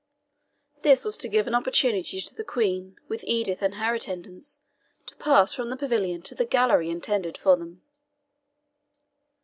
This was to give an opportunity to the Queen, with Edith and her attendants, to pass from the pavilion to the gallery intended for them.